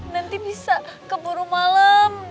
nanti bisa keburu malam